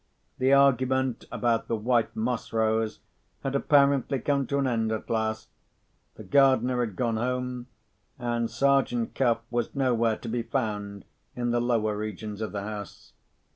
The argument about the white moss rose had apparently come to an end at last. The gardener had gone home, and Sergeant Cuff was nowhere to be found in the lower regions of the house.